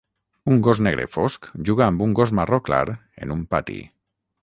Un gos negre fosc juga amb un gos marró clar en un pati.